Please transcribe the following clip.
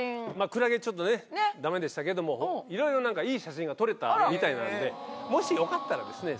クラゲちょっとね駄目でしたけどもいろいろいい写真が撮れたみたいなんでもしよかったらですね